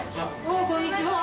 こんにちは。